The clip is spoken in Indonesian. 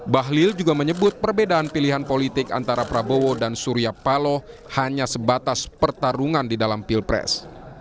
bahlil juga menyebut perbedaan pilihan politik antara prabowo dan surya paloh hanya sebatas pertarungan di dalam pilpres